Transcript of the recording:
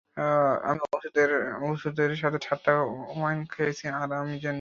আমি ওষুধের সাথে ঠান্ডা ওয়াইন খেয়েছিলাম, আর আমি জানি না।